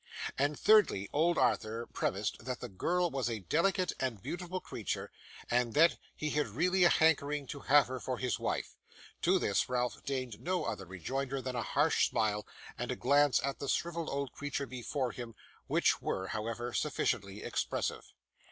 And, thirdly, old Arthur premised that the girl was a delicate and beautiful creature, and that he had really a hankering to have her for his wife. To this Ralph deigned no other rejoinder than a harsh smile, and a glance at the shrivelled old creature before him, which were, however, sufficiently expressive.